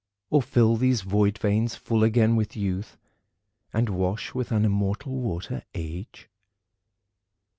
Or fill these void veins full again with youth And wash with an immortal water age?